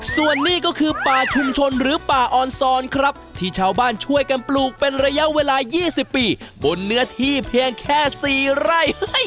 ส่วนนี้ก็คือป่าชุมชนหรือป่าออนซอนครับที่ชาวบ้านช่วยกันปลูกเป็นระยะเวลา๒๐ปีบนเนื้อที่เพียงแค่๔ไร่